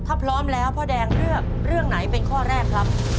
ถ้าพร้อมแล้วพ่อแดงเลือกเรื่องไหนเป็นข้อแรกครับ